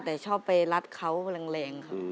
แต่ชอบไปรัดเขาแรงค่ะ